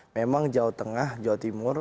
memang jawa tengah jawa timur